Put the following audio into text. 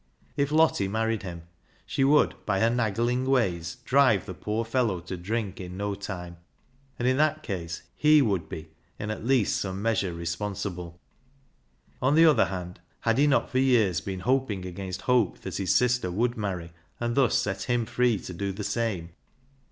If Lottie married him she would, by her naggling ways, drive the poor fellow to drink in no time, and in that case Jie would be, in at least some measure, responsible. SALLY'S REDEMPTION 123 On the other hand, had he not for years been hoping against hope that his sister would marry, and thus set him free to do the same